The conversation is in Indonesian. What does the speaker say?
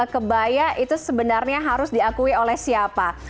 kebaya itu sebenarnya harus diakui oleh siapa